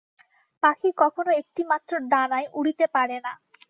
পাখি কখনও একটি মাত্র ডানায় উড়িতে পারে না।